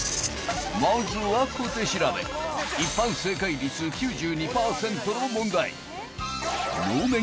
まずは小手調べ一般正解率９２％の問題能面